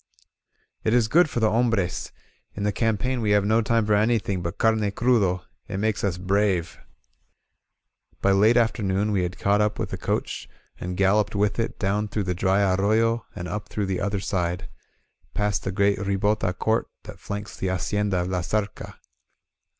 "It is good for the hombres. In the campaign we have no time for anything but carne crudo. It makes us brave." 45 INSURGENT MEXICO By late afternoon we had caught up with the coach, and galloped with it down through the dry arroyo and up through the other side, past the great ribota court that flanks the Hacienda of La Zarca.